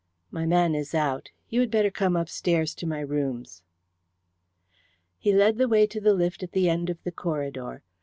"My man is out. You had better come upstairs to my rooms." He led the way to the lift at the end of the corridor.